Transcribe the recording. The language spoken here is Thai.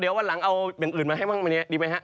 เดี๋ยววันหลังเอาเป็นอื่นให้มึงแบบนี้ดีไหมฮะ